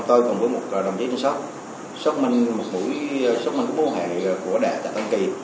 tôi cùng với một đồng chí tên sát xác minh một mũi xác minh của mũi mũ hệ của đại tại tân kỳ